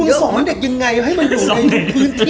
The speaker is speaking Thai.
จะสอนเด็กยังไงให้มันอยู่ในพื้นที่